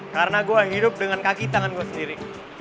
karena gue yang hidup dengan kaki tangan gue sendiri